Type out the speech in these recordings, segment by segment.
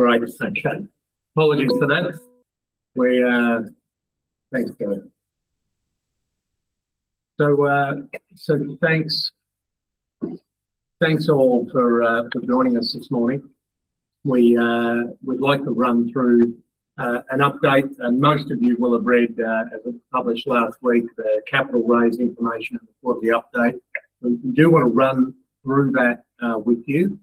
Right. Okay. Apologies for that. Thanks, Karen. Thanks all for joining us this morning. We'd like to run through an update, and most of you will have read, as it published last week, the capital raise information as part of the update. We do want to run through that with you,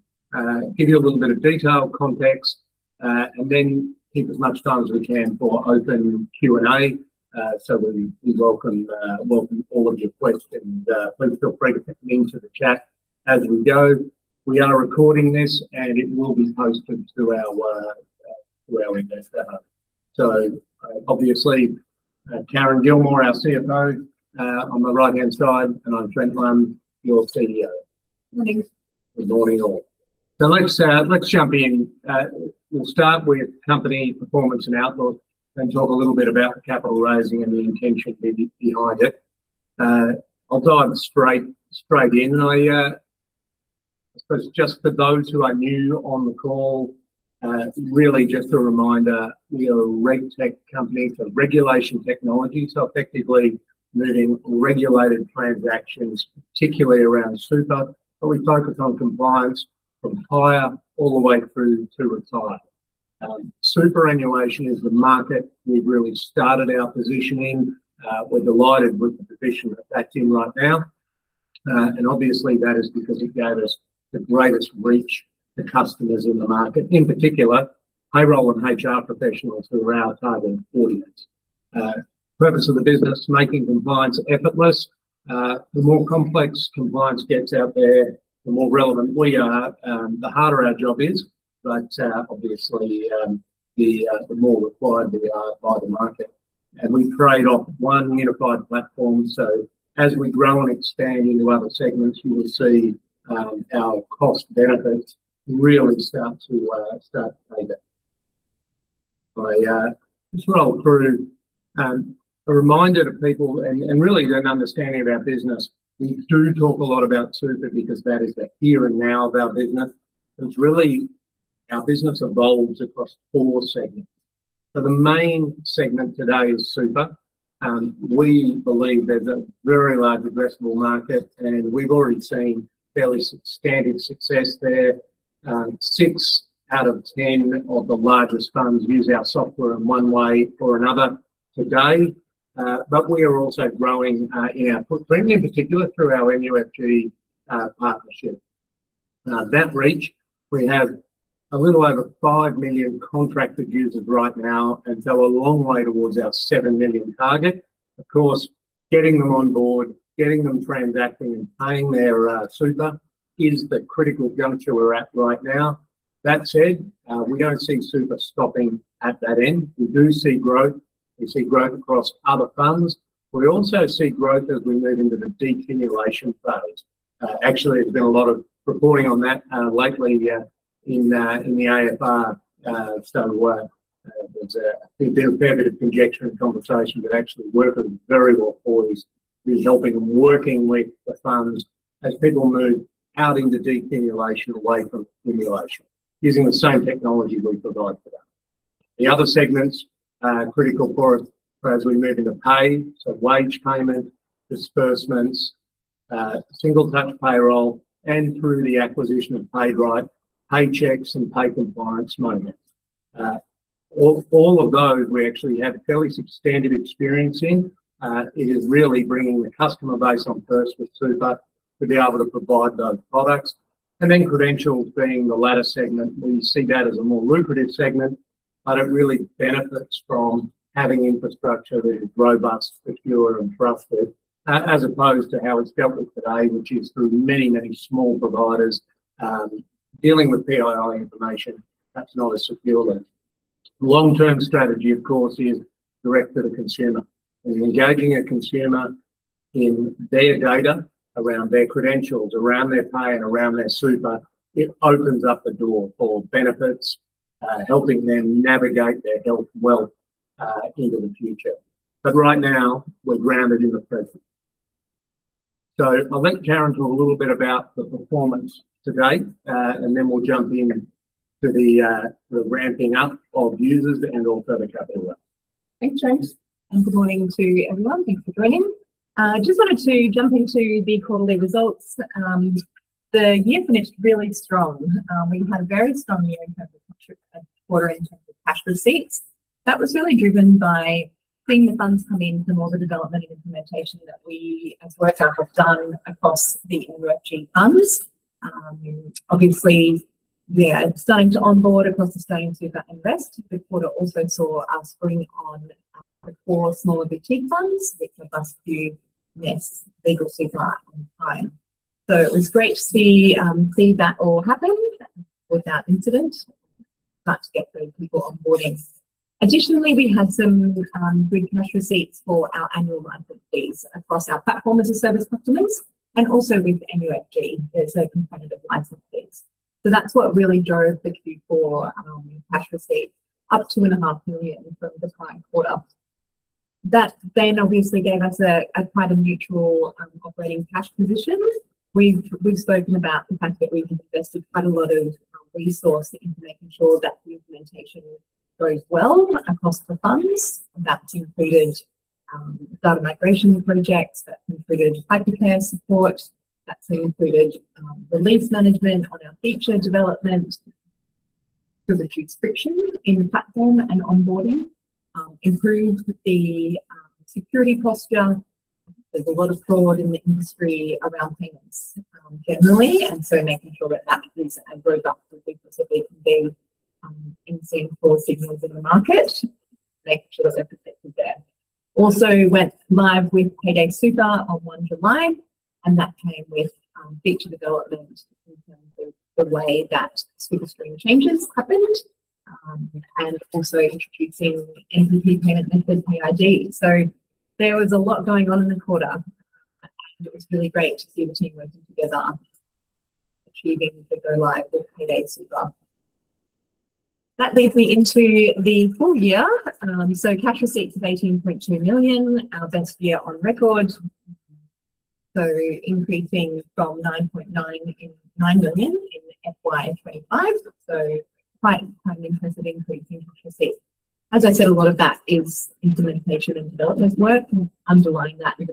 give you a little bit of detail, context, and then keep as much time as we can for open Q&A. We welcome all of your questions. Please feel free to put them into the chat as we go. We are recording this, and it will be posted to our investor hub. Obviously, Karen Gilmour, our CFO, on my right-hand side, and I'm Trent Lund, your CEO. Morning. Good morning, all. Let's jump in. We'll start with company performance and outlook and talk a little bit about the capital raising and the intention behind it. I'll dive straight in. I suppose just for those who are new on the call, really just a reminder, we are a Regtech company, so regulation technology, effectively meaning regulated transactions, particularly around super. We focus on compliance from hire all the way through to retire. Superannuation is the market we've really started our position in. We're delighted with the position that that's in right now. Obviously, that is because it gave us the greatest reach to customers in the market. In particular, payroll and HR professionals who are our target audience. Purpose of the business, making compliance effortless. The more complex compliance gets out there, the more relevant we are, the harder our job is, obviously, the more required we are by the market. We trade off one unified platform. As we grow and expand into other segments, you will see our cost benefits really start to play there. If I just roll through, a reminder to people and really an understanding of our business. We do talk a lot about super because that is the here and now of our business, because really our business evolves across four segments. The main segment today is super. We believe there's a very large addressable market, and we've already seen fairly substantive success there. Six out of 10 of the largest funds use our software in one way or another today. We are also growing in our footprint, in particular through our MUFG partnership. That reach, we have a little over five million contracted users right now, a long way towards our seven million target. Of course, getting them on board, getting them transacting and paying their super is the critical juncture we're at right now. That said, we don't see super stopping at that end. We do see growth. We see growth across other funds. We also see growth as we move into the decumulation phase. Actually, there's been a lot of reporting on that lately in the AFR, started work. There's been a fair bit of conjecture and conversation, actually Wrkr is very well poised with helping and working with the funds as people move out into decumulation away from accumulation using the same technology we provide for them. The other segments are critical for us as we move into pay. Wage payment, disbursements, Single Touch Payroll, and through the acquisition of PaidRight, paychecks and pay compliance management. All of those we actually have fairly substantive experience in. It is really bringing the customer base on first with super to be able to provide those products. Then credentials being the latter segment, we see that as a more lucrative segment, but it really benefits from having infrastructure that is robust, secure and trusted, as opposed to how it's dealt with today, which is through many, many small providers dealing with PII information. That's not as secure. The long-term strategy, of course, is direct to the consumer. Engaging a consumer in their data around their credentials, around their pay and around their super, it opens up a door for benefits, helping them navigate their health and wealth into the future. Right now, we're grounded in the present. I'll let Karen talk a little bit about the performance to date, and then we'll jump into the ramping up of users and also the capital raise. Thanks, Trent, and good morning to everyone. Thanks for joining. I just wanted to jump into the quarterly results. The year finished really strong. We had a very strong year in terms of quarter in terms of cash receipts. That was really driven by seeing the funds come in from all the development and implementation that we as Wrkr have done across the MUFG funds. Obviously, we are starting to onboard across AustralianSuper and Rest. The quarter also saw us bring on four smaller boutique funds, which gave us NESS Super, LegalSuper on time. It was great to see that all happen without incident. Start to get those people onboarding. Additionally, we had some good cash receipts for our annual license fees across our platform as a service customers and also with MUFG. There's a competitive license fees. That's what really drove the Q4 cash receipt up 2.5 million from the prior quarter. That obviously gave us a neutral operating cash position. We've spoken about the fact that we've invested quite a lot of resource into making sure that the implementation goes well across the funds. That's included data migration projects, that's included Hypercare support, that's included release management on our feature development, further transcription in platform and onboarding, improved the security posture. There's a lot of fraud in the industry around payments, generally, making sure that that is a product so we can be in sync for signals in the market, make sure they're protected there. Also went live with Payday Super on 1 July, that came with feature development in terms of the way that SuperStream changes happened, and also introducing NPP payment method, PayID. There was a lot going on in the quarter. It was really great to see the team working together, achieving the go-live with Payday Super. That leads me into the full year. Cash receipts of 18.2 million, our best year on record. Increasing from 9.9 million in FY 2025, quite an impressive increase in cash receipts. As I said, a lot of that is implementation and development work. Underlying that is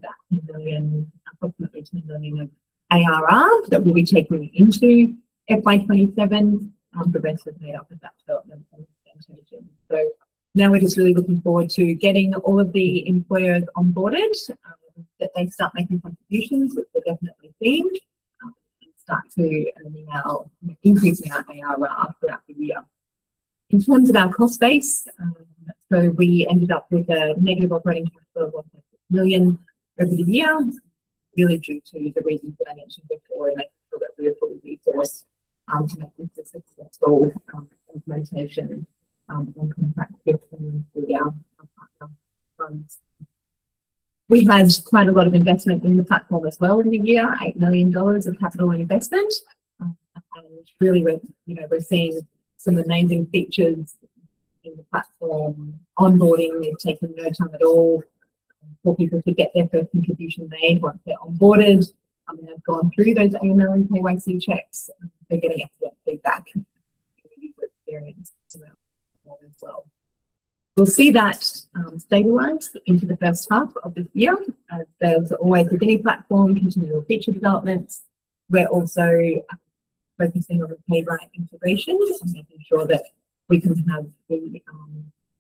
approximately 10 million of ARR that we'll be taking into FY 2027. The Rest is made up of that development percentage. Now we're just really looking forward to getting all of the employers onboarded, that they start making contributions, which we're definitely seeing, and start to now increasing our ARR throughout the year. In terms of our cost base, we ended up with a negative operating profit of 1.6 million over the year, really due to the reasons that I mentioned before, and making sure that we have got the resource to make this a successful implementation and contract year for our partner funds. We've made quite a lot of investment in the platform as well in the year, 8 million dollars of capital investment. Really, we're seeing some amazing features in the platform. Onboarding is taking no time at all for people to get their first contribution made once they're onboarded and they've gone through those AML and KYC checks. They're getting excellent feedback. Really good experience as well. We'll see that stabilize into the first half of this year. There's always with any platform, continual feature developments. We're also focusing on the PaidRight integration, just making sure that we can have full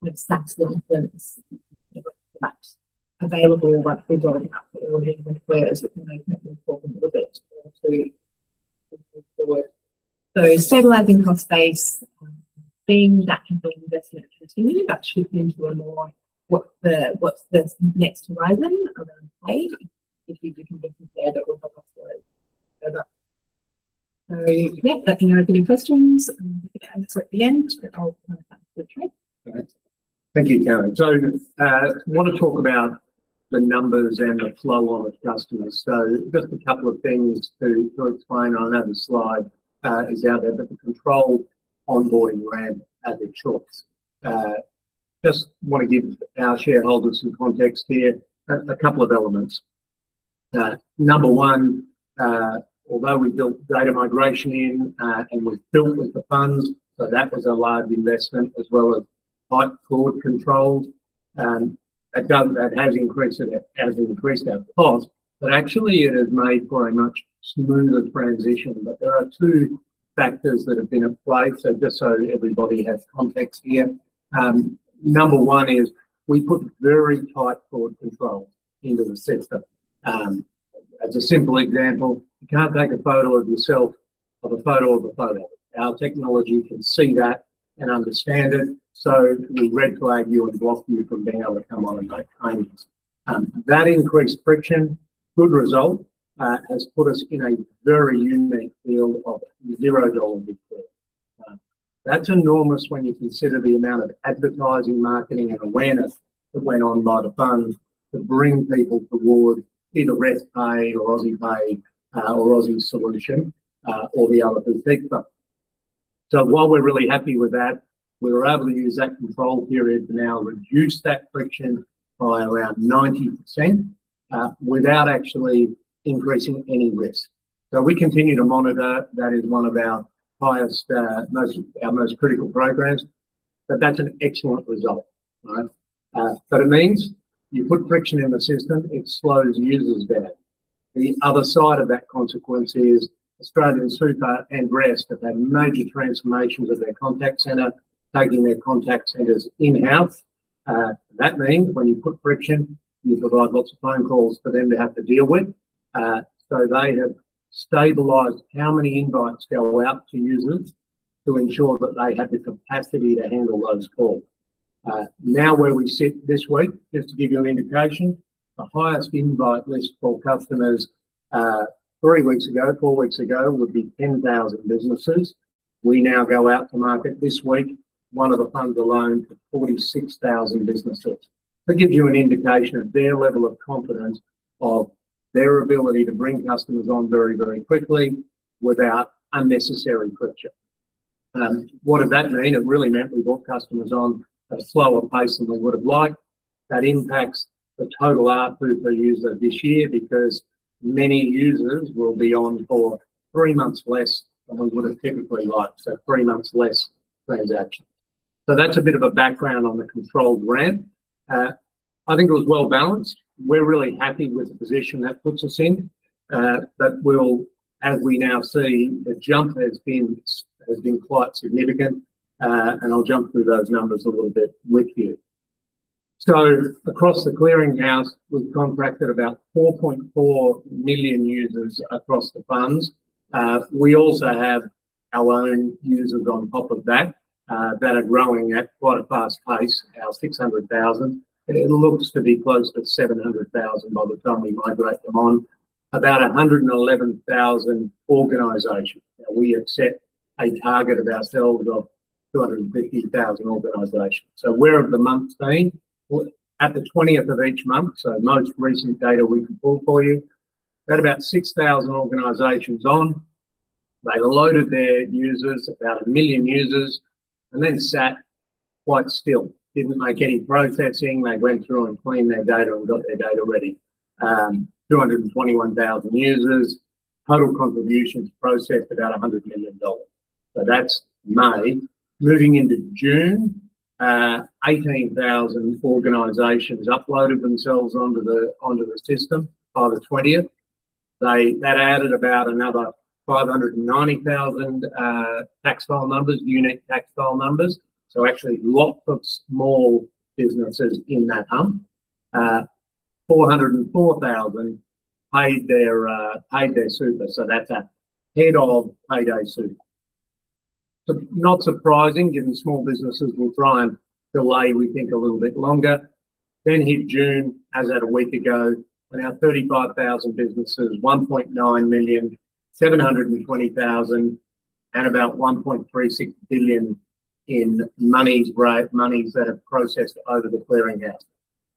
with tax increments maps available once we've got enough employers with us. It can make that more important a little bit more to move forward. Stabilizing cost base, seeing that ongoing investment continue, but shifting into a more what's the next horizon around paid. If you can get from there, that would help us the way further. Yeah, that can open any questions. If there's at the end, I'll hand it back to Trent. Great. Thank you, Karen. I want to talk about the numbers and the flow on of customers. Just a couple of things to explain on that other slide, is our controlled onboarding ramp as it tracks. Just want to give our shareholders some context here. A couple of elements. Number one, although we built data migration in, and we've built with the funds, that was a large investment as well as tight fraud controls. That has increased our cost, but actually it has made for a much smoother transition. There are two factors that have been at play. Just so everybody has context here. Number one is we put very tight fraud controls into the system. As a simple example, you can't take a photo of yourself of a photo of a photo. Our technology can see that and understand it, we red flag you and block you from being able to come on and make claims. That increased friction, good result, has put us in a very unique field of zero dollar fraud. That's enormous when you consider the amount of advertising, marketing, and awareness that went on by the funds to bring people toward either Rest Pay or Aussie Pay or Aussie Solution, or the other big four. While we're really happy with that, we were able to use that control period to now reduce that friction by around 90%, without actually increasing any risk. We continue to monitor. That is one of our highest, most critical programs. That's an excellent result, right? It means you put friction in the system, it slows users down. The other side of that consequence is AustralianSuper and Rest have had major transformations of their contact center, taking their contact centers in-house. That means when you put friction, you provide lots of phone calls for them to have to deal with. They have stabilized how many invites go out to users to ensure that they have the capacity to handle those calls. Where we sit this week, just to give you an indication, the highest invite list for customers, three weeks ago, four weeks ago, would be 10,000 businesses. We now go out to market this week, one of the funds alone had 46,000 businesses. That gives you an indication of their level of confidence of their ability to bring customers on very, very quickly without unnecessary friction. What did that mean? It really meant we brought customers on at a slower pace than we would have liked. That impacts the total ARPU per user this year because many users will be on for three months less than we would have typically liked, three months less transaction. That's a bit of a background on the controlled ramp. I think it was well-balanced. We're really happy with the position that puts us in. As we now see, the jump has been quite significant, and I'll jump through those numbers a little bit with you. Across the clearing house, we've contracted about 4.4 million users across the funds. We also have our own users on top of that are growing at quite a fast pace, our 600,000. It looks to be close to 700,000 by the time we migrate them on. About 111,000 organizations. We have set a target ourselves of 250,000 organizations. Where have the months been? At the 20th of each month, most recent data we can pull for you. We had about 6,000 organizations on. They loaded their users, about a million users, and then sat quite still, didn't make any processing. They went through and cleaned their data and got their data ready. 221,000 users. Total contributions processed, about 100 million dollars. That's May. Moving into June, 18,000 organizations uploaded themselves onto the system by the 20th. That added about another 590,000 tax file numbers, unique tax file numbers. Actually lots of small businesses in that hump. 404,000 paid their super. That's ahead of paid super. Not surprising, given small businesses will try and delay, we think, a little bit longer. Hit June, as at a week ago, we're now 35,000 businesses, 1.9 million, 720,000, and about 1.36 billion in monies that have processed over the clearing house.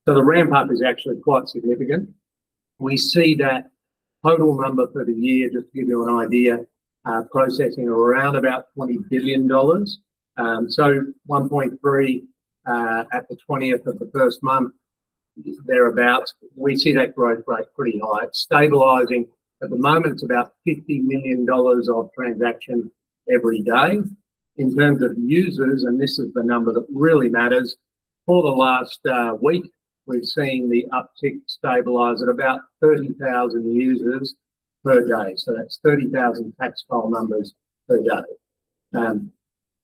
The ramp-up is actually quite significant. We see that total number for the year, just to give you an idea, processing around about 20 billion dollars. 1.3 billion at the 20th of the first month, thereabout. We see that growth rate pretty high. It's stabilizing. At the moment, it's about 50 million dollars of transaction every day. In terms of users, and this is the number that really matters, for the last week, we've seen the uptick stabilize at about 30,000 users per day. That's 30,000 tax file numbers per day.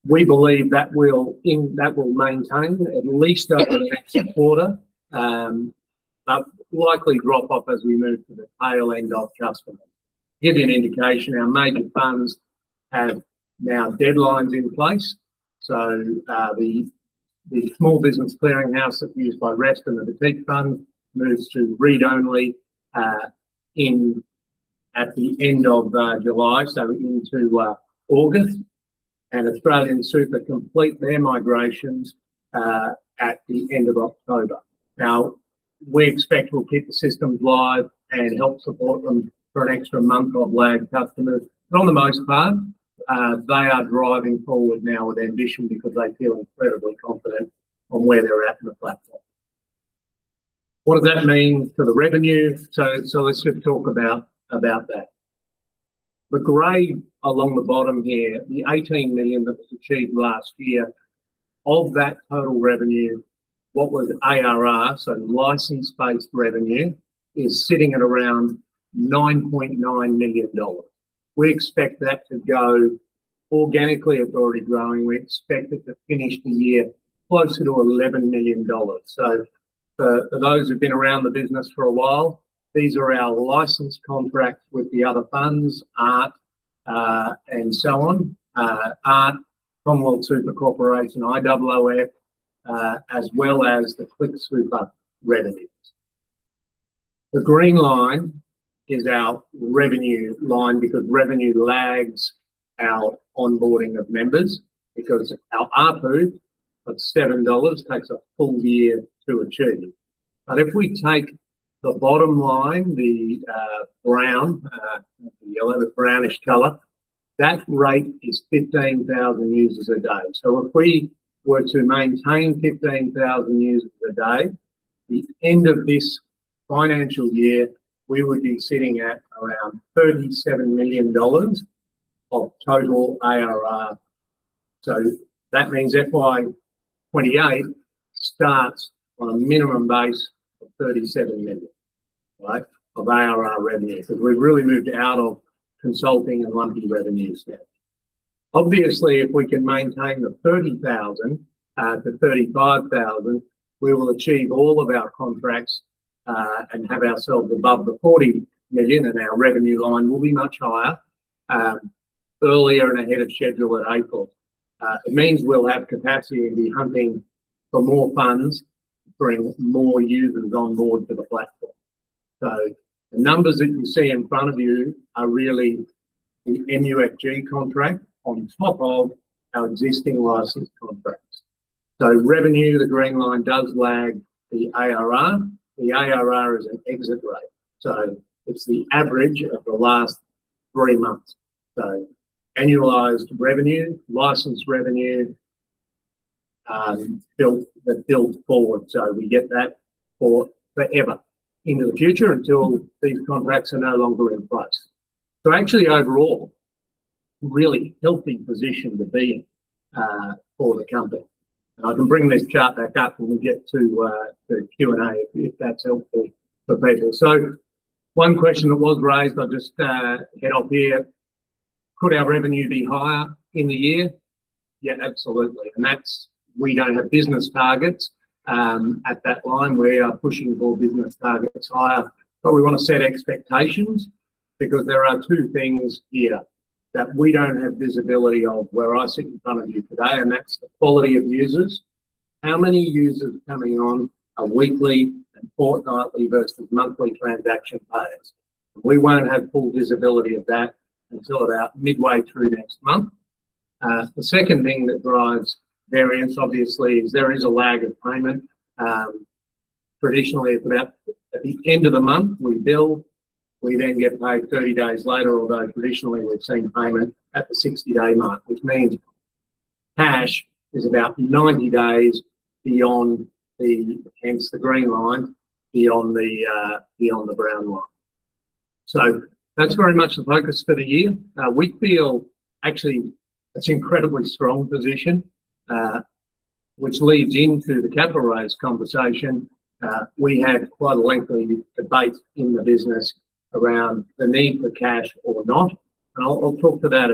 We believe that will maintain at least over the next quarter, but likely drop off as we move to the tail end of customers. Give you an indication, our major funds have now deadlines in place. The Small Business Clearing House that's used by Rest and the boutique fund moves to read-only at the end of July, into August. AustralianSuper complete their migrations at the end of October. We expect we'll keep the systems live and help support them for an extra month of lagged customers. On the most part, they are driving forward now with ambition because they feel incredibly confident on where they're at in the platform. What does that mean for the revenue? Let's just talk about that. The gray along the bottom here, the 18 million that was achieved last year, of that total revenue, what was ARR, license-based revenue, is sitting at around 9.9 million dollars. We expect that to go organically. It's already growing. We expect it to finish the year closer to 11 million dollars. For those who've been around the business for a while, these are our license contracts with the other funds, ART, and so on. ART, Commonwealth Super Corporation, IOOF, as well as the ClickSuper revenues. The green line is our revenue line because revenue lags our onboarding of members because our ARPU of 7 dollars takes a full year to achieve. If we take the bottom line, the brown, the yellowish brownish color, that rate is 15,000 users a day. If we were to maintain 15,000 users per day, the end of this financial year, we would be sitting at around 37 million dollars of total ARR. That means FY 2028 starts on a minimum base of 37 million, right, of ARR revenue, because we've really moved out of consulting and lumpy revenues now. Obviously, if we can maintain the 30,000-35,000, we will achieve all of our contracts, and have ourselves above the 40 million, and our revenue line will be much higher, earlier and ahead of schedule at April. It means we'll have capacity and be hunting for more funds to bring more users on board for the platform. The numbers that you see in front of you are really the MUFG contract on top of our existing license contracts. Revenue, the green line, does lag the ARR. The ARR is an exit rate, so it's the average of the last three months. Annualized revenue, license revenue, that builds forward. We get that forever into the future until these contracts are no longer in place. Actually overall, really healthy position to be in for the company. I can bring this chart back up when we get to the Q&A, if that's helpful for people. One question that was raised, I'll just head off here, could our revenue be higher in the year? Yeah, absolutely. We don't have business targets at that line. We are pushing for business targets higher. We want to set expectations because there are two things here that we don't have visibility of where I sit in front of you today, and that's the quality of users. How many users are coming on a weekly and fortnightly versus monthly transaction base? We won't have full visibility of that until about midway through next month. The second thing that drives variance, obviously, is there is a lag of payment. Traditionally, it's about at the end of the month, we bill, we then get paid 30 days later, although traditionally, we've seen payment at the 60-day mark, which means cash is about 90 days beyond the, hence the green line, beyond the brown line. That's very much the focus for the year. We feel actually it's incredibly strong position, which leads into the capital raise conversation. We had quite a lengthy debate in the business around the need for cash or not. I'll talk to that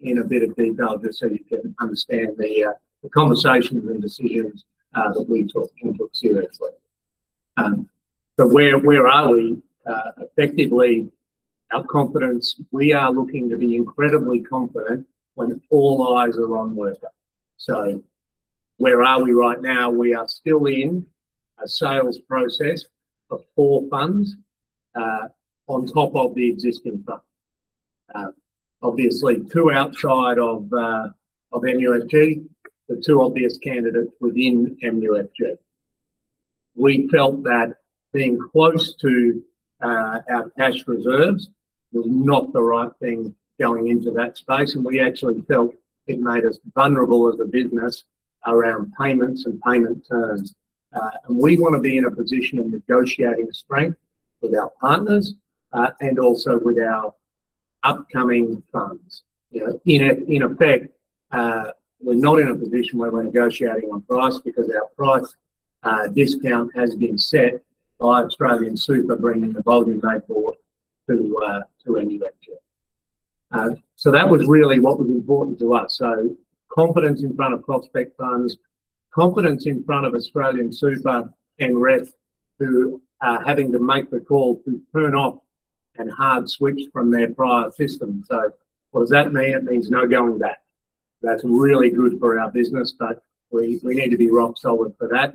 in a bit of detail just so you can understand the conversations and decisions that we took and took seriously. Where are we? Effectively, our confidence, we are looking to be incredibly confident when all eyes are on Wrkr. Where are we right now? We are still in a sales process for four funds, on top of the existing fund. Obviously, two outside of MUFG, the two obvious candidates within MUFG. We felt that being close to our cash reserves was not the right thing going into that space, we actually felt it made us vulnerable as a business around payments and payment terms. We want to be in a position of negotiating strength with our partners, and also with our upcoming funds. In effect, we're not in a position where we're negotiating on price because our price discount has been set by AustralianSuper bringing the volume they bought to MUFG. That was really what was important to us. Confidence in front of prospect funds, confidence in front of AustralianSuper and Rest who are having to make the call to turn off and hard switch from their prior system. What does that mean? It means no going back. That's really good for our business, we need to be rock solid for that.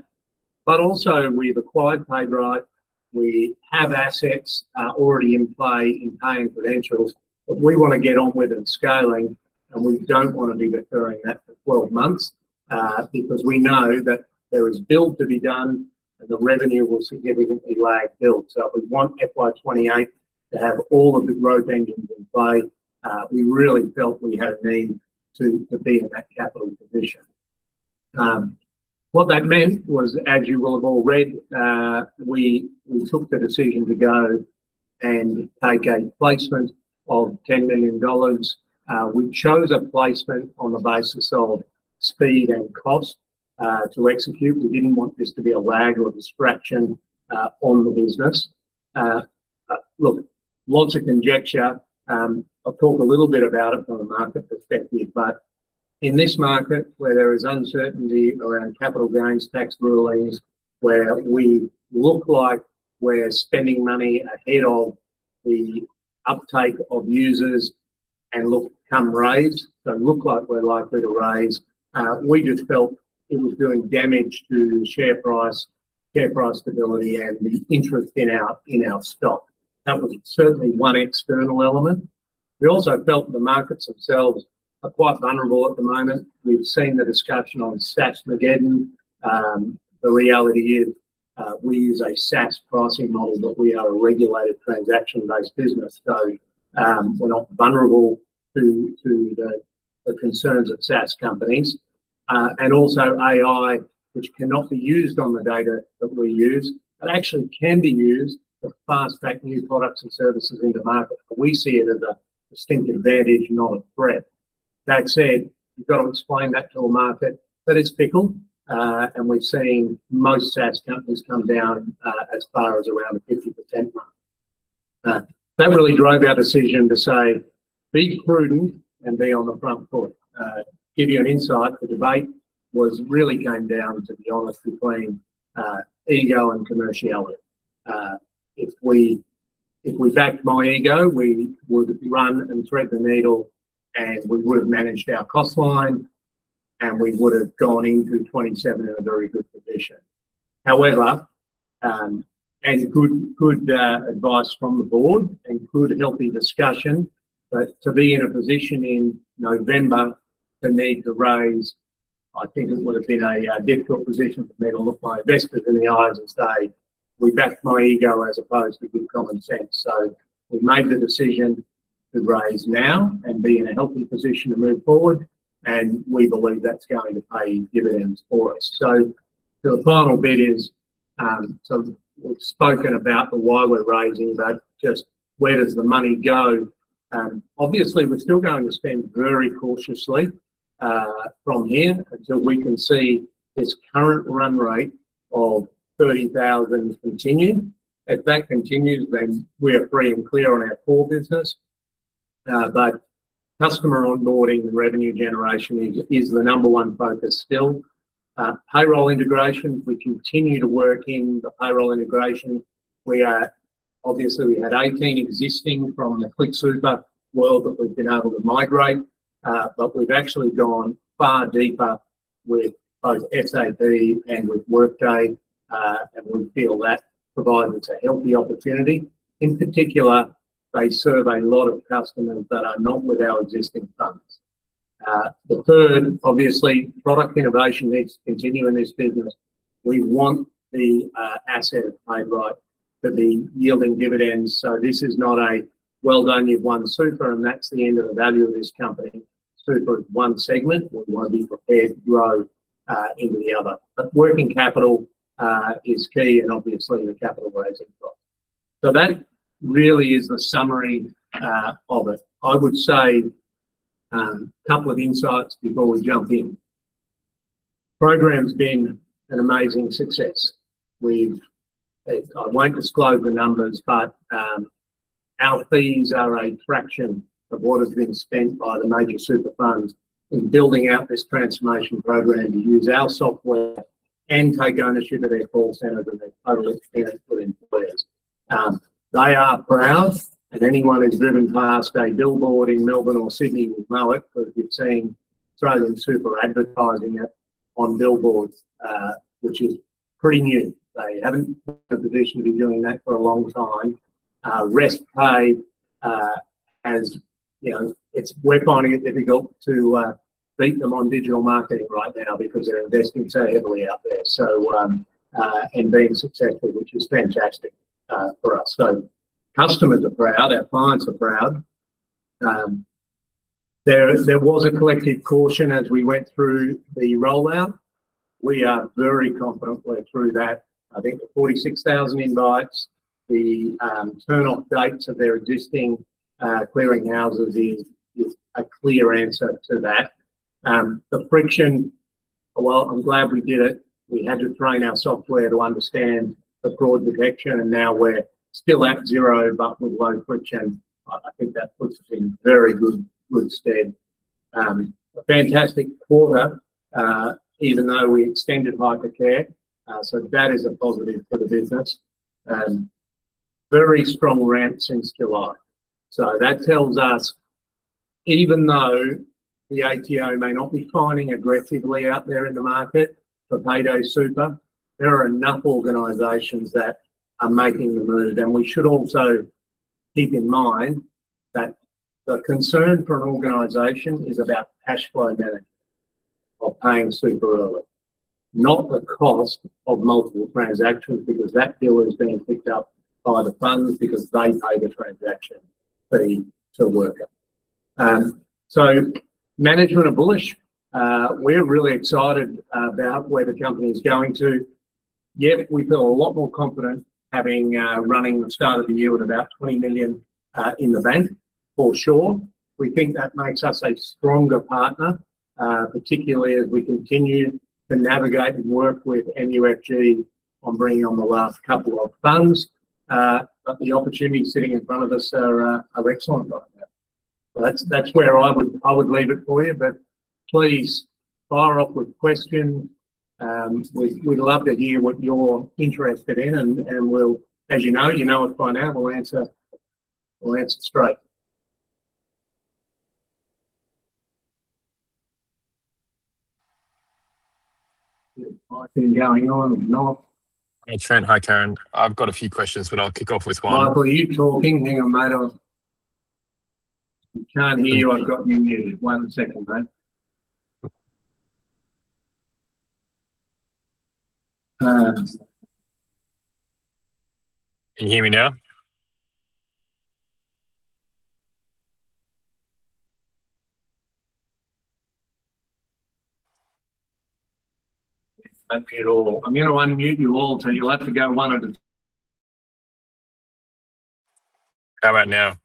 Also, we've acquired PaidRight. We have assets already in play in paying credentials, we want to get on with it and scaling, we don't want to be recurring that for 12 months, because we know that there is build to be done, and the revenue will significantly lag build. If we want FY 2028 to have all of the growth engines in play, we really felt we had a need to be in that capital position. What that meant was, as you will have all read, we took the decision to go and take a placement of 10 million dollars. We chose a placement on the basis of speed and cost to execute. We didn't want this to be a lag or a distraction on the business. Look, lots of conjecture. I'll talk a little bit about it from a market perspective. In this market where there is uncertainty around capital gains, tax rulings, where we look like we're spending money ahead of the uptake of users and look come raise, look like we're likely to raise, we just felt it was doing damage to the share price, share price stability, and the interest in our stock. That was certainly one external element. We also felt the markets themselves are quite vulnerable at the moment. We've seen the discussion on SaaSmageddon. The reality is, we use a SaaS pricing model, but we are a regulated transaction-based business. We're not vulnerable to the concerns of SaaS companies. Also AI, which cannot be used on the data that we use, but actually can be used to fast-track new products and services into market. We see it as a distinct advantage, not a threat. That said, you've got to explain that to a market that is fickle. We've seen most SaaS companies come down, as far as around the 50% mark. That really drove our decision to say, "Be prudent and be on the front foot." Give you an insight, the debate really came down, to be honest, between ego and commerciality. If we backed my ego, we would run and thread the needle. We would have managed our cost line. We would have gone into 2027 in a very good position. Good advice from the Board and good healthy discussion, to be in a position in November to need to raise, I think it would've been a difficult position for me to look my investors in the eyes and say, "We backed my ego as opposed to good common sense." We've made the decision to raise now and be in a healthy position to move forward. We believe that's going to pay dividends for us. The final bit is, we've spoken about the why we're raising, just where does the money go? Obviously, we're still going to spend very cautiously from here until we can see this current run rate of 30,000 continue. If that continues, then we are free and clear on our core business. Customer onboarding and revenue generation is the number one focus still. Payroll integration, we continue to work in the payroll integration. Obviously, we had 18 existing from the ClickSuper world that we've been able to migrate. We've actually gone far deeper with both SAP and with Workday. We feel that provides us a healthy opportunity. In particular, they serve a lot of customers that are not with our existing funds. The third, obviously, product innovation needs to continue in this business. We want the asset of PaidRight to be yielding dividends. This is not a, "Well done, you've won Super," and that's the end of the value of this company. Super is one segment. We want to be prepared to grow into the other. Working capital is key and obviously the capital raising as well. That really is the summary of it. I would say, a couple of insights before we jump in. Program's been an amazing success. I won't disclose the numbers, but our fees are a fraction of what has been spent by the major super funds in building out this transformation program to use our software and take ownership of their call center that they totally experienced for employers. They are proud, and anyone who's driven past a billboard in Melbourne or Sydney would know it, because you've seen AustralianSuper advertising it on billboards, which is pretty new. They haven't been in a position to be doing that for a long time. Rest Pay, we're finding it difficult to beat them on digital marketing right now because they're investing so heavily out there, and being successful, which is fantastic for us. Customers are proud, our clients are proud. There was a collective caution as we went through the rollout. We are very confident we're through that. I think the 46,000 invites, the turnoff dates of their existing clearing houses is a clear answer to that. The friction, while I'm glad we did it, we had to train our software to understand the fraud detection, and now we're still at zero, but with low friction. I think that puts us in very good stead. A fantastic quarter, even though we extended Hypercare. That is a positive for the business. Very strong ramp since July. That tells us even though the ATO may not be fining aggressively out there in the market for Payday Super, there are enough organizations that are making the move. We should also keep in mind that the concern for an organization is about cashflow management of paying super early, not the cost of multiple transactions, because that bill is being picked up by the funds because they pay the transaction fee to Wrkr. Management are bullish. We're really excited about where the company is going to. Yet, we feel a lot more confident running the start of the year with about 20 million in the bank, for sure. We think that makes us a stronger partner, particularly as we continue to navigate and work with MUFG on bringing on the last couple of funds. The opportunities sitting in front of us are excellent right now. That's where I would leave it for you, but please fire off with questions. We'd love to hear what you're interested in, we'll, as you know, you know us by now, we'll answer straight. Is the mic thing going on or not? Hey, Trent. Hi, Karen. I've got a few questions, but I'll kick off with one. Michael, are you talking? Hang on, mate. I can't hear you. I've got you muted. One second, mate. Can you hear me now? It's not good at all. I'm going to unmute you all, so you'll have to go one at a How about now?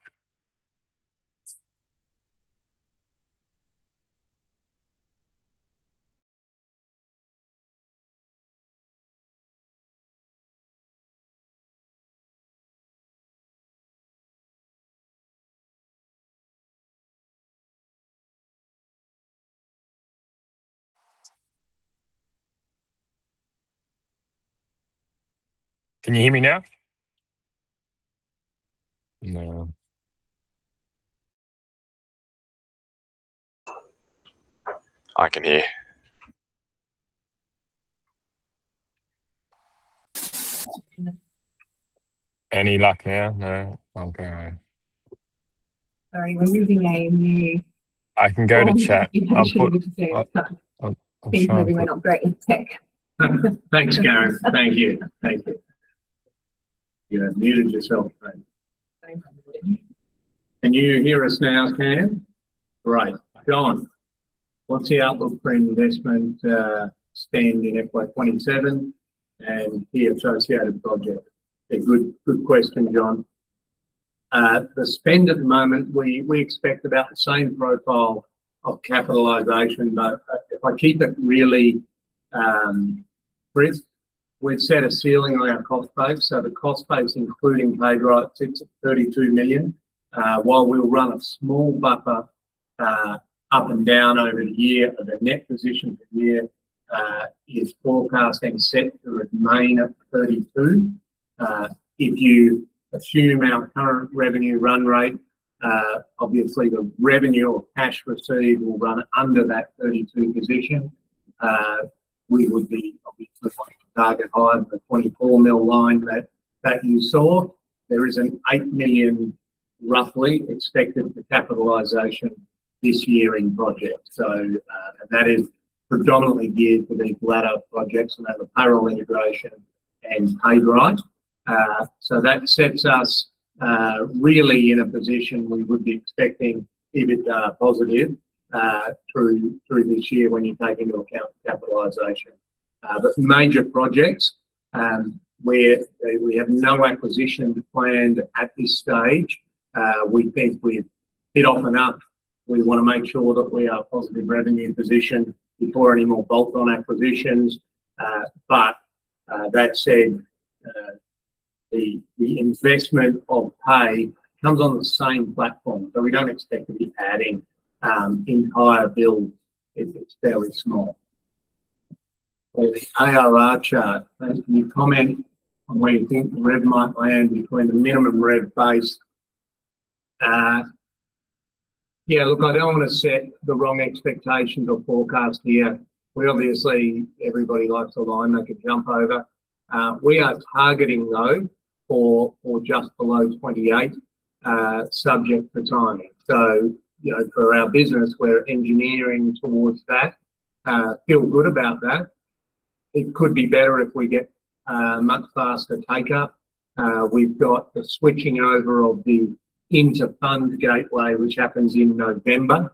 Can you hear me now? No. I can hear. Any luck here? No. Okay. Sorry, we're moving AMU. I can go in the chat. You can shoot me to see it. I'm sorry. Steve's moving. We're not great at tech. Thanks, Gareth. Thank you. You have muted yourself, Karen Thanks. Unmuting. Can you hear us now? Great. John, what's the outlook for investment, spend in FY 2027 and the associated project? A good question, John. The spend at the moment, we expect about the same profile of capitalization, but if I keep it really brief, we've set a ceiling on our cost base, so the cost base, including PaidRight, sits at 32 million. While we'll run a small buffer, up and down over the year, the net position for the year is forecasting set to remain at 32 million. If you assume our current revenue run rate, obviously the revenue or cash received will run under that 32 million position. We would be obviously looking to target either the 24 million line that you saw. There is an 8 million, roughly, expected for capitalization this year in project. That is predominantly geared for these latter projects, and that was payroll integration and PaidRight. That sets us really in a position we would be expecting EBITDA positive, through this year when you take into account capitalization. For major projects, we have no acquisition planned at this stage. We think we're bit off and up. We want to make sure that we are positive revenue in position before any more bolt-on acquisitions. That said, the investment of Pay comes on the same platform, so we don't expect to be adding an entire build. It's fairly small. The ARR chart, can you comment on where you think the rev might land between the minimum rev base? Look, I don't want to set the wrong expectations or forecast here. Obviously, everybody likes a line they could jump over. We are targeting, though, for or just below 28, subject to timing. For our business, we're engineering towards that, feel good about that. It could be better if we get a much faster take-up. We've got the switching over of the inter-fund gateway, which happens in November.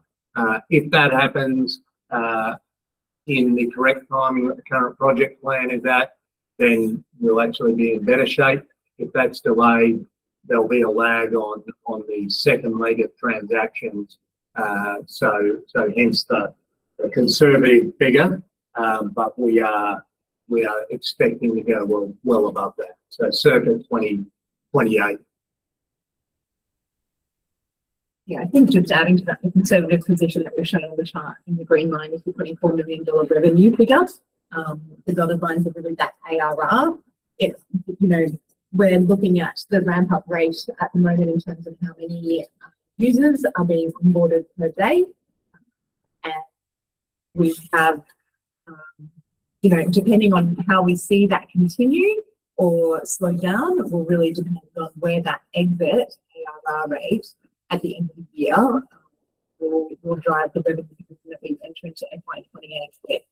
If that happens, in the correct timing that the current project plan is at, then we'll actually be in better shape. If that's delayed, there'll be a lag on the second leg of transactions. Hence the conservative figure, but we are expecting to go well above that. Certainly AUD 28. Yeah, I think just adding to that, the conservative position that we show in the chart in the green line is the AUD 24 million revenue figure. The dotted lines are really that ARR. We're looking at the ramp-up rate at the moment in terms of how many users are being onboarded per day. Depending on how we see that continue or slow down, will really depend on where that exit ARR rate at the end of the year, will drive the revenue that we've entered into FY 2028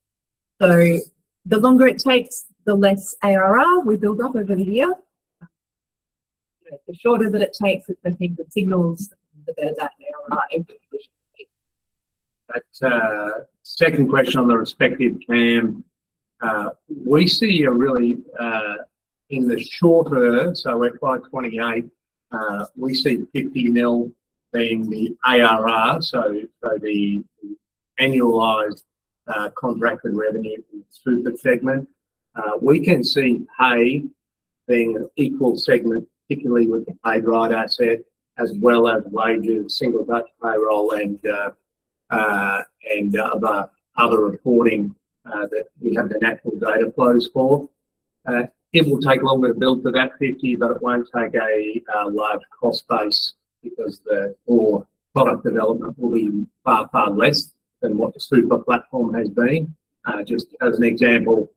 with. The longer it takes, the less ARR we build up over the year. The shorter that it takes, I think that signals the better that ARR acquisition will be. Second question on the respective, Cam. In the shorter, so FY 2028, we see 50 million being the ARR, so the annualized contracted revenue through the segment. We can see Pay being an equal segment, particularly with the PaidRight asset as well as wages, Single Touch Payroll, and other reporting, that we have the natural data flows for. It will take longer to build to that 50 million, but it won't take a large cost base because the core product development will be far, far less than what the super platform has been. Just as an example,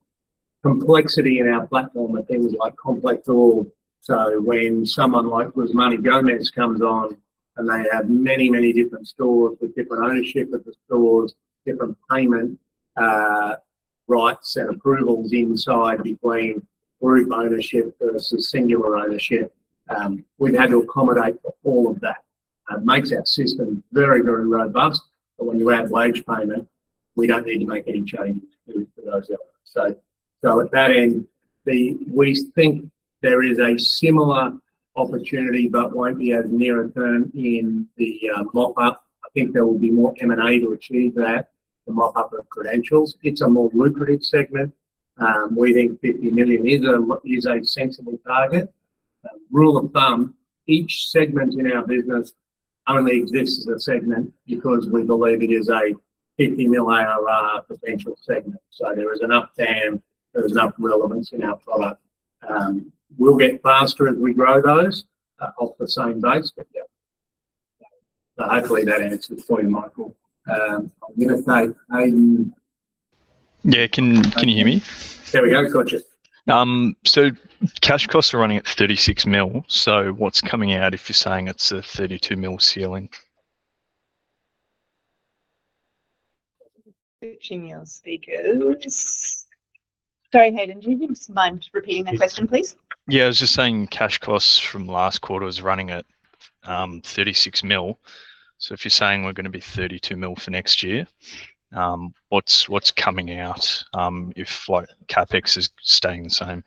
complexity in our platform are things like complex org. When someone like Guzman y Gomez comes on and they have many, many different stores with different ownership of the stores, different payment rights and approvals inside between group ownership versus singular ownership, we've had to accommodate for all of that. It makes our system very, very robust. When you add wage payment, we don't need to make any changes to those elements. At that end, we think there is a similar opportunity but won't be as near-term in the mop-up. I think there will be more M&A to achieve that, the mop-up of credentials. It's a more lucrative segment. We think 50 million is a sensible target. Rule of thumb, each segment in our business only exists as a segment because we believe it is a 50 million ARR potential segment. There is enough TAM, there is enough relevance in our product. We'll get faster as we grow those off the same base. Hopefully that answers for you, Michael. Yeah. Can you hear me? There we go. Gotcha. Cash costs are running at 36 million. What's coming out if you're saying it's a 32 million ceiling? Switching your speakers. Sorry, Hayden, do you mind repeating the question, please? I was just saying cash costs from last quarter was running at 36 million. If you're saying we're going to be 32 million for next year, what's coming out if CapEx is staying the same?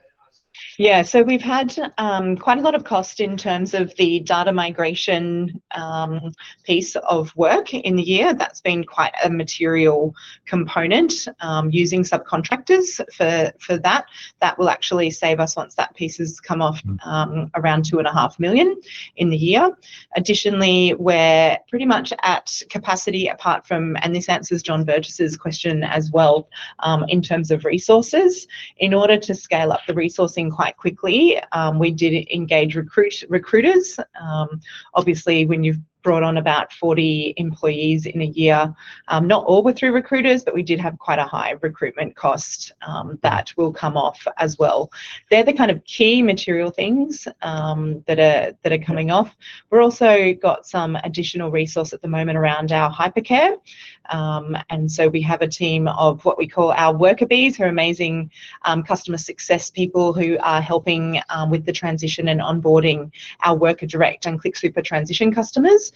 We've had quite a lot of cost in terms of the data migration piece of work in the year. That's been quite a material component, using subcontractors for that. That will actually save us once that piece has come off, around 2.5 million in the year. Additionally, we're pretty much at capacity apart from this answers John Burgess's question as well, in terms of resources. In order to scale up the resourcing quite quickly, we did engage recruiters. Obviously, when you've brought on about 40 employees in a year, not all were through recruiters, but we did have quite a high recruitment cost that will come off as well. They're the kind of key material things that are coming off. We've also got some additional resource at the moment around our Hypercare. We have a team of what we call our worker bees, who are amazing customer success people who are helping with the transition and onboarding our Wrkr Direct and ClickSuper transition customers.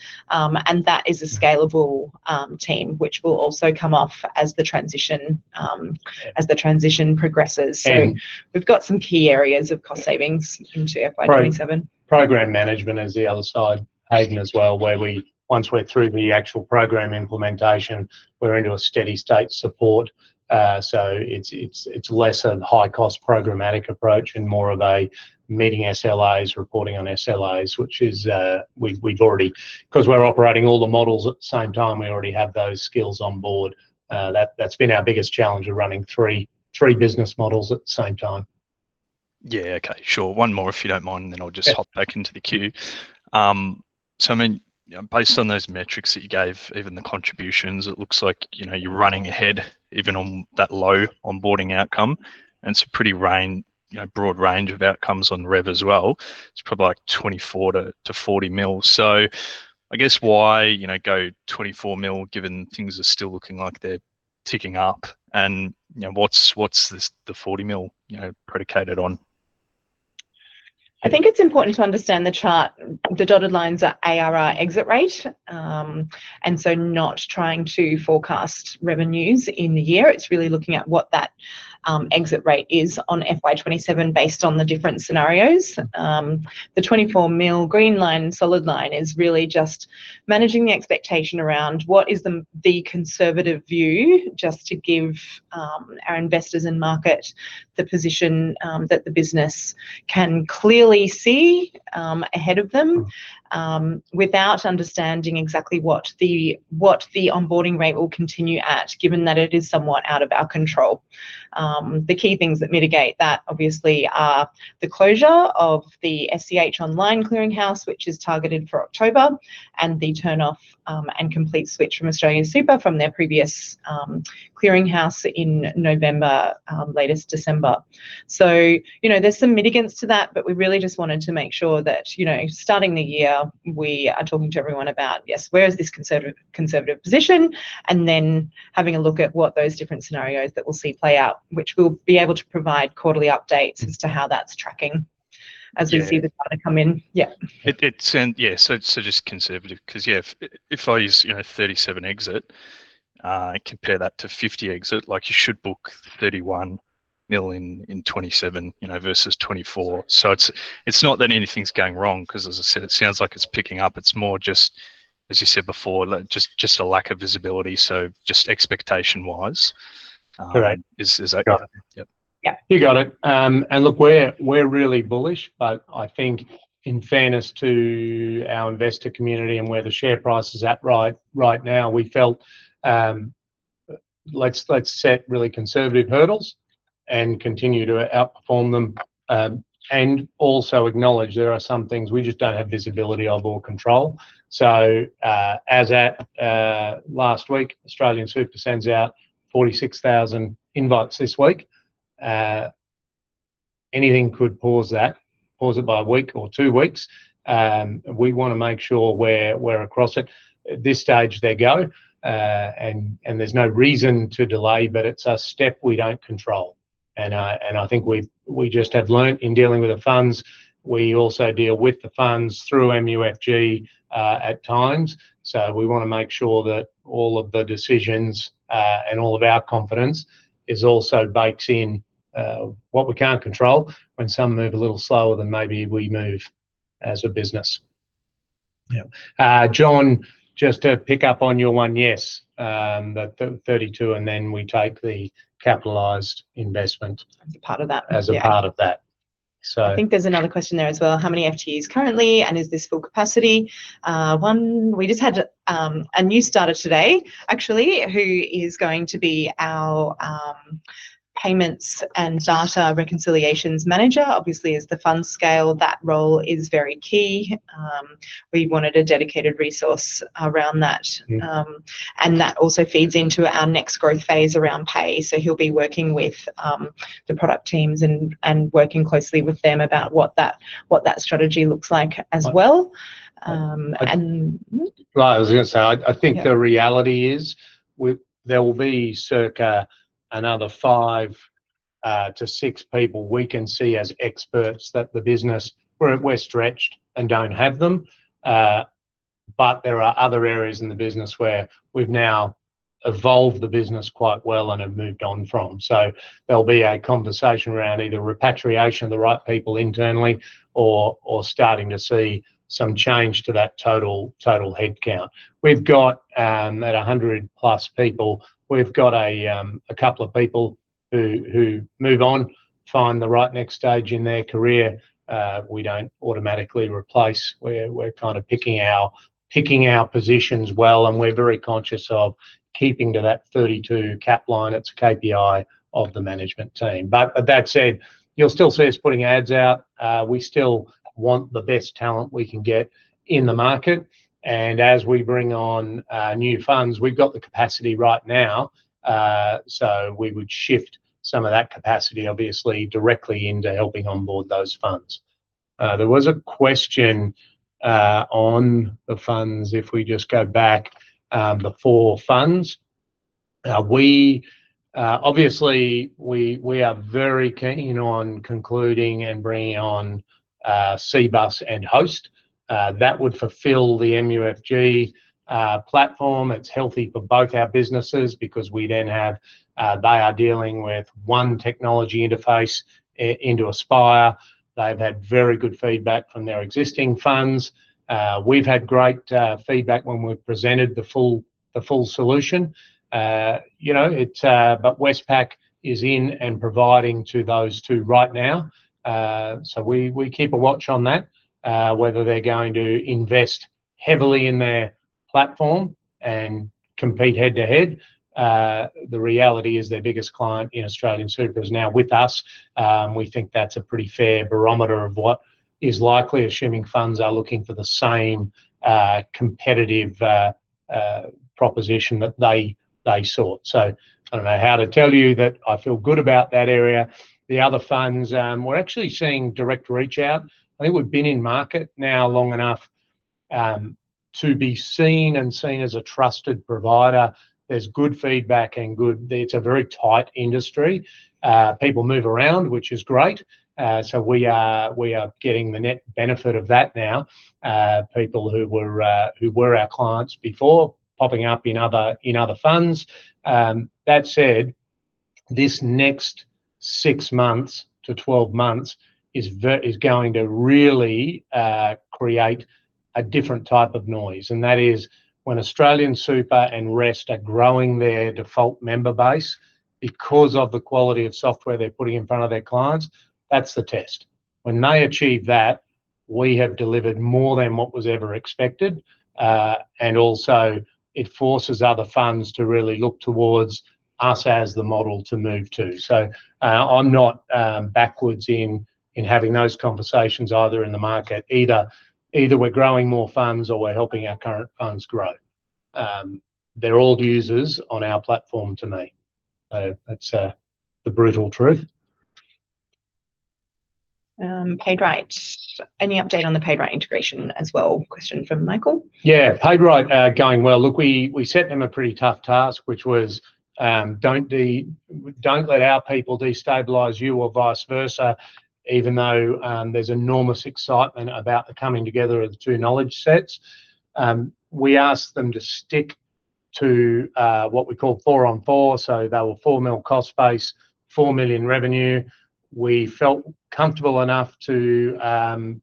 That is a scalable team, which will also come off as the transition progresses. We've got some key areas of cost savings into FY 2027. Program management is the other side, Hayden, as well, where once we're through the actual program implementation, we're into a steady state support. It's less a high-cost programmatic approach and more of a meeting SLAs, reporting on SLAs. Because we're operating all the models at the same time, we already have those skills on board. That's been our biggest challenge of running three business models at the same time. Yeah. Okay. Sure. One more, if you don't mind, and then I'll just hop back into the queue. Based on those metrics that you gave, even the contributions, it looks like you're running ahead even on that low onboarding outcome. And it's a pretty broad range of outcomes on rev as well. It's probably like 24 million-40 million. I guess why go 24 million given things are still looking like they're ticking up and what's the 40 million predicated on? I think it's important to understand the chart. The dotted lines are ARR exit rate, not trying to forecast revenues in the year. It's really looking at what that exit rate is on FY 2027 based on the different scenarios. The 24 million green line, solid line, is really just managing the expectation around what is the conservative view just to give our investors and market the position that the business can clearly see ahead of them without understanding exactly what the onboarding rate will continue at, given that it is somewhat out of our control. The key things that mitigate that obviously are the closure of the SCH Online clearing house, which is targeted for October, and the turnoff and complete switch from AustralianSuper from their previous clearing house in November, latest December. There's some mitigants to that, we really just wanted to make sure that starting the year we are talking to everyone about, yes, where is this conservative position, having a look at what those different scenarios that we'll see play out, which we'll be able to provide quarterly updates as to how that's tracking as we see the data come in. Just conservative, because if I use 37 exit and compare that to 50 exit, you should book 31 million in 2027 versus 24. It's not that anything's going wrong, because as I said, it sounds like it's picking up. It's more just as you said before, just a lack of visibility. Just expectation-wise? Correct. I got it? Yeah. You got it. Look, we're really bullish, but I think in fairness to our investor community and where the share price is at right now, we felt let's set really conservative hurdles and continue to outperform them. Also acknowledge there are some things we just don't have visibility of or control. As at last week, AustralianSuper sends out 46,000 invites this week. Anything could pause that, pause it by a week or two weeks. We want to make sure we're across it. At this stage, they go, and there's no reason to delay, but it's a step we don't control. I think we just have learnt in dealing with the funds, we also deal with the funds through MUFG at times. We want to make sure that all of the decisions and all of our confidence is also baked in what we can't control when some move a little slower than maybe we move as a business. Yep. John, just to pick up on your one. Yes, the 32, then we take the capitalized investment- As a part of that. as a part of that. I think there's another question there as well. How many FTEs currently, and is this full capacity? One, we just had a new starter today actually, who is going to be our Payments and Data Reconciliations Manager. Obviously, as the funds scale, that role is very key. We wanted a dedicated resource around that. That also feeds into our next growth phase around pay. He'll be working with the product teams and working closely with them about what that strategy looks like as well. Right. I was going to say, I think the reality is there will be circa another five to six people we can see as experts that the business We're stretched and don't have them. There are other areas in the business where we've now evolved the business quite well and have moved on from. There'll be a conversation around either repatriation of the right people internally or starting to see some change to that total headcount. We've got that 100+ people. We've got a couple of people who move on, find the right next stage in their career. We don't automatically replace. We're kind of picking our positions well, and we're very conscious of keeping to that 32 cap line. It's a KPI of the management team. That said, you'll still see us putting ads out. We still want the best talent we can get in the market. As we bring on new funds, we've got the capacity right now, we would shift some of that capacity, obviously, directly into helping onboard those funds. There was a question on the funds, if we just go back, the four funds. Obviously, we are very keen on concluding and bringing on Cbus and Hostplus. That would fulfill the MUFG platform. It's healthy for both our businesses because They are dealing with one technology interface into Aaspire. They've had very good feedback from their existing funds. We've had great feedback when we've presented the full solution. Westpac is in and providing to those two right now. We keep a watch on that, whether they're going to invest heavily in their platform and compete head-to-head. The reality is their biggest client in AustralianSuper is now with us. We think that's a pretty fair barometer of what is likely, assuming funds are looking for the same competitive proposition that they sought. I don't know how to tell you that I feel good about that area. The other funds, we're actually seeing direct reach out. I think we've been in market now long enough to be seen and seen as a trusted provider. There's good feedback and good. It's a very tight industry. People move around, which is great. We are getting the net benefit of that now. People who were our clients before popping up in other funds. That said, this next 6 months to 12 months is going to really create a different type of noise. That is when AustralianSuper and Rest are growing their default member base because of the quality of software they're putting in front of their clients. That's the test. When they achieve that, we have delivered more than what was ever expected. It forces other funds to really look towards us as the model to move to. I'm not backwards in having those conversations either in the market. Either we're growing more funds or we're helping our current funds grow. They're all users on our platform to me. That's the brutal truth. PaidRight. Any update on the PaidRight integration as well? Question from Michael. Yeah. PaidRight are going well. Look, we set them a pretty tough task, which was, don't let our people destabilize you or vice versa, even though there's enormous excitement about the coming together of the two knowledge sets. We asked them to stick to what we call four on four. They were 4 million cost base, 4 million revenue. We felt comfortable enough to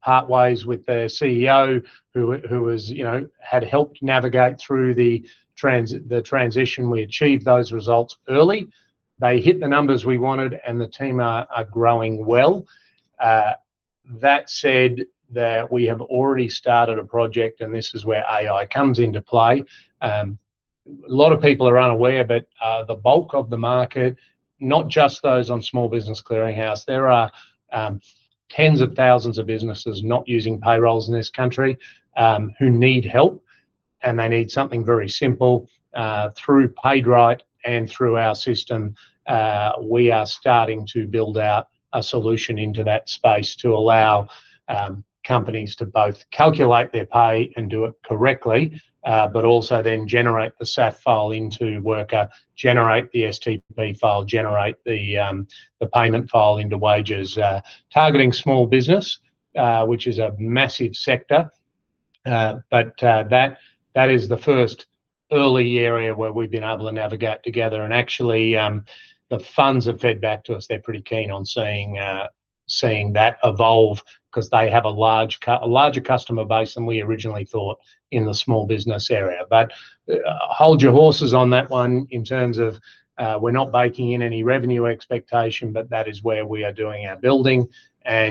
part ways with their CEO who had helped navigate through the transition. We achieved those results early. They hit the numbers we wanted, and the team are growing well. That said, we have already started a project. This is where AI comes into play. A lot of people are unaware, the bulk of the market, not just those on Small Business Clearing House, there are tens of thousands of businesses not using payrolls in this country, who need help. They need something very simple. Through PaidRight and through our system, we are starting to build out a solution into that space to allow companies to both calculate their pay and do it correctly. Also then generate the SAFF file into Wrkr, generate the STP file, generate the payment file into Wages. Targeting small business, which is a massive sector. That is the first early area where we've been able to navigate together. Actually, the funds have fed back to us. They're pretty keen on seeing that evolve because they have a larger customer base than we originally thought in the small business area. Hold your horses on that one in terms of, we're not baking in any revenue expectation, that is where we are doing our building.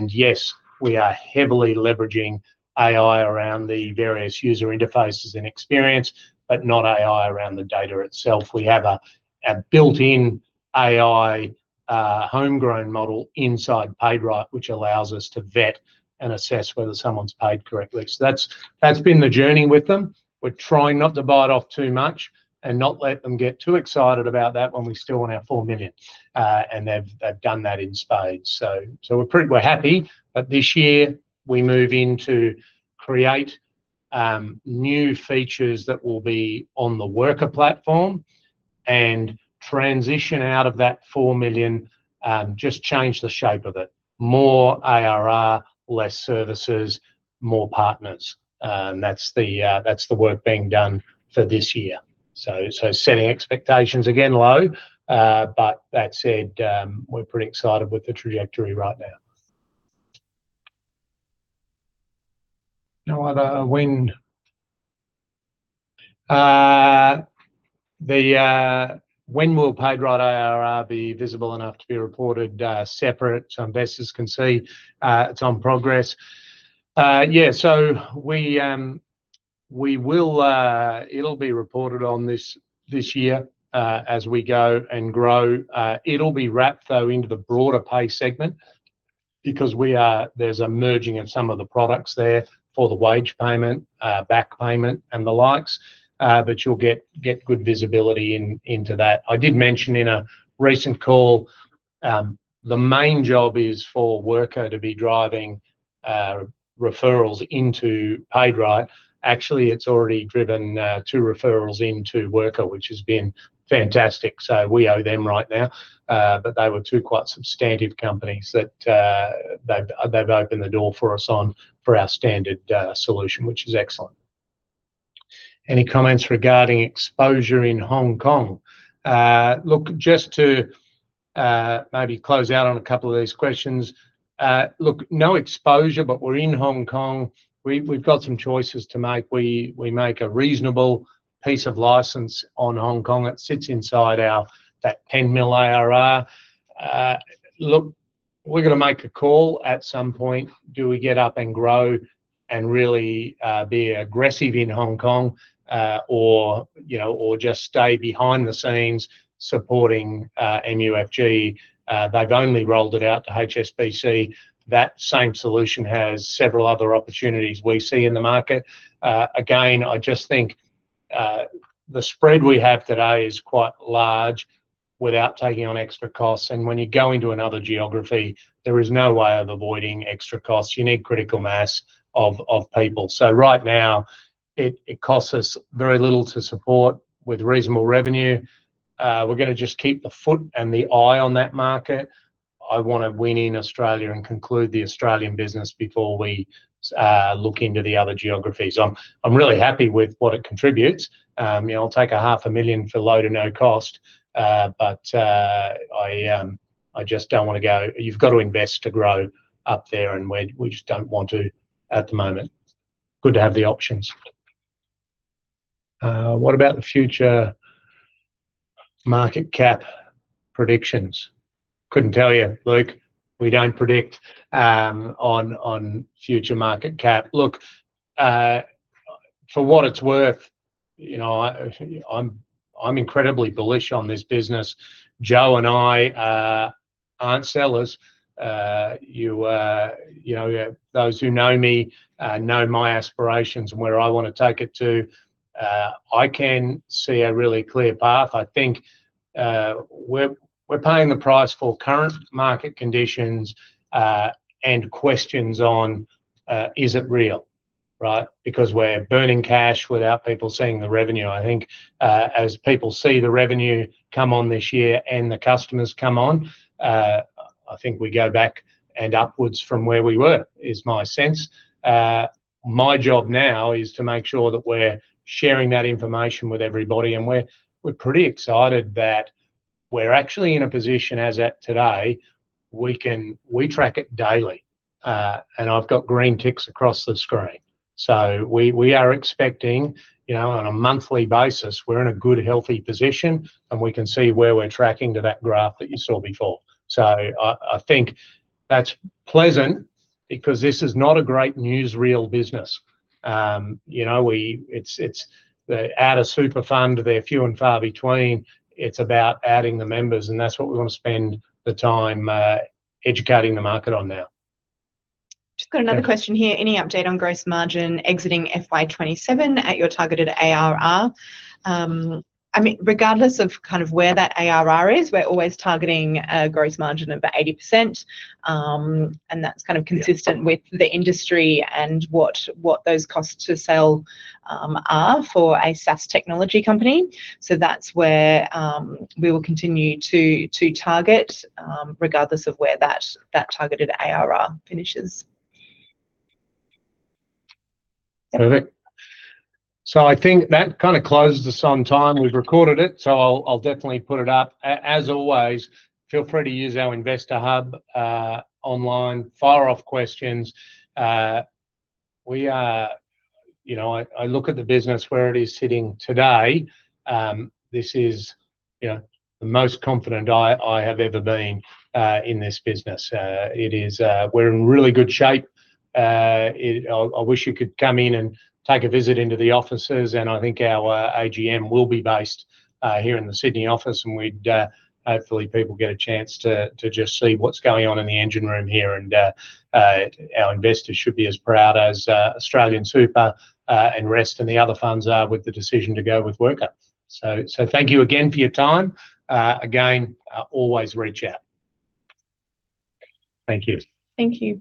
Yes, we are heavily leveraging AI around the various user interfaces and experience, but not AI around the data itself. We have a built-in AI, a homegrown model inside PaidRight, which allows us to vet and assess whether someone's paid correctly. That's been the journey with them. We're trying not to bite off too much and not let them get too excited about that when we still want our 4 million. They've done that in spades. We're happy, but this year we move in to create new features that will be on the Wrkr platform and transition out of that 4 million, just change the shape of it. More ARR, less services, more partners. That's the work being done for this year. Setting expectations again low, but that said, we're pretty excited with the trajectory right now. When will PaidRight ARR be visible enough to be reported separate so investors can see its own progress? It'll be reported on this year, as we go and grow. It'll be wrapped, though, into the broader Pay segment. There's a merging of some of the products there for the wage payment, back payment, and the likes. You'll get good visibility into that. I did mention in a recent call, the main job is for Wrkr to be driving referrals into PaidRight. Actually, it's already driven two referrals into Wrkr, which has been fantastic. We owe them right now. They were two quite substantive companies that they've opened the door for us on for our standard solution, which is excellent. Any comments regarding exposure in Hong Kong? Just to maybe close out on a couple of these questions. No exposure, but we're in Hong Kong. We've got some choices to make. We make a reasonable piece of license on Hong Kong. It sits inside that 10 million ARR. We're going to make a call at some point. Do we get up and grow and really be aggressive in Hong Kong, or just stay behind the scenes supporting MUFG? They've only rolled it out to HSBC. That same solution has several other opportunities we see in the market. I just think the spread we have today is quite large without taking on extra costs. When you go into another geography, there is no way of avoiding extra costs. You need critical mass of people. Right now it costs us very little to support with reasonable revenue. We're going to just keep the foot and the eye on that market. I want to win in Australia and conclude the Australian business before we look into the other geographies. I'm really happy with what it contributes. I'll take a 500,000 for low to no cost. I just don't want to go. You've got to invest to grow up there, and we just don't want to at the moment. Good to have the options. What about the future market cap predictions? Couldn't tell you, Luke. We don't predict on future market cap. For what it's worth, I'm incredibly bullish on this business. Joe and I aren't sellers. Those who know me know my aspirations and where I want to take it to. I can see a really clear path. I think we're paying the price for current market conditions, and questions on is it real? We're burning cash without people seeing the revenue. I think, as people see the revenue come on this year and the customers come on, I think we go back and upwards from where we were, is my sense. My job now is to make sure that we're sharing that information with everybody, and we're pretty excited that we're actually in a position as at today, we track it daily. I've got green ticks across the screen. We are expecting on a monthly basis, we're in a good, healthy position, and we can see where we're tracking to that graph that you saw before. I think that's pleasant because this is not a great news real business. To add a super fund, they're few and far between. It's about adding the members and that's what we want to spend the time educating the market on now. Just got another question here. Any update on gross margin exiting FY 2027 at your targeted ARR? Regardless of where that ARR is, we're always targeting a gross margin of about 80%. That's kind of consistent-with the industry and what those costs to sell are for a SaaS technology company. That's where we will continue to target, regardless of where that targeted ARR finishes. Perfect. I think that kind of closes us on time. We've recorded it, so I'll definitely put it up. As always, feel free to use our investor hub online, fire off questions. I look at the business where it is sitting today. This is the most confident I have ever been in this business. We're in really good shape. I wish you could come in and take a visit into the offices, and I think our AGM will be based here in the Sydney office, and hopefully people get a chance to just see what's going on in the engine room here. Our investors should be as proud as AustralianSuper, and Rest, and the other funds are with the decision to go with Wrkr. Thank you again for your time. Again, always reach out. Thank you. Thank you.